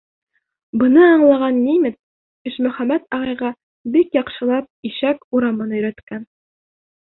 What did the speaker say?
Быны аңлаған немец Ишмөхәмәт ағайға бик яҡшылап Ишәк урамын өйрәткән.